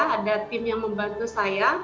ada tim yang membantu saya